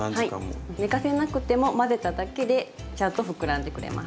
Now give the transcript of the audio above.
寝かせなくても混ぜただけでちゃんと膨らんでくれます。